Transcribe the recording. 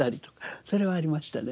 それはありましたね。